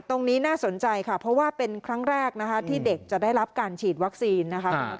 ตรงนี้น่าสนใจค่ะเพราะว่าเป็นครั้งแรกนะคะที่เด็กจะได้รับการฉีดวัคซีนนะคะ